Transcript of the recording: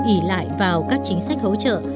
ý lại vào các chính sách hỗ trợ